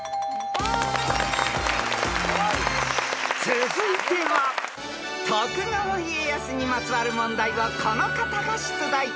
［続いては徳川家康にまつわる問題をこの方が出題］